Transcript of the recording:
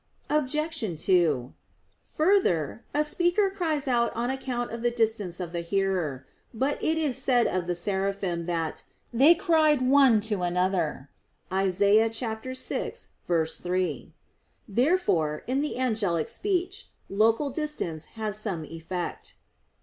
Obj. 2: Further, a speaker cries out on account of the distance of the hearer. But it is said of the Seraphim that "they cried one to another" (Isa. 6:3). Therefore in the angelic speech local distance has some effect.